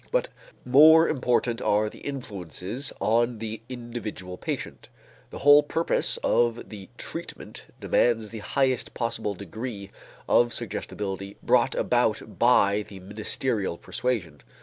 But more important are the influences on the individual patient. The whole purpose of the treatment demands the highest possible degree of suggestibility brought about by the ministerial persuasion.